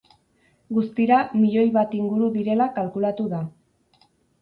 Guztira milioi bat inguru direla kalkulatu da.